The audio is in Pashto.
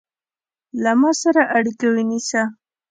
له ما سره اړیکه ونیسه